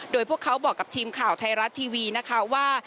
โดยพวกเขาบอกกับทีมข่าวไทยรัฐทีวีนะคะว่า